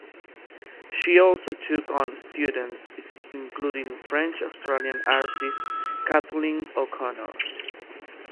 She also took on students, including French-Australian artist Kathleen O'Connor.